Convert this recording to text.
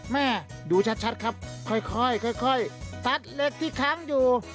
ดูชัดครับค่อยตัดเหล็กที่ค้างอยู่